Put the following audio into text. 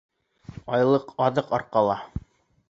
Айлыҡ аҙыҡ арҡала.